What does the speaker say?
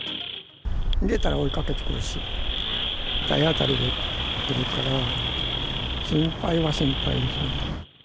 逃げたら追いかけてくるし、体当たりで来るから、心配は心配ですね。